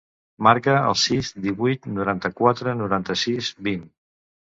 Marca el sis, divuit, noranta-quatre, noranta-sis, vint.